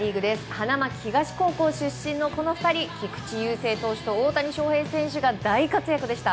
花巻東高校出身のこの２人大谷翔平選手と菊池雄星投手が大活躍でした。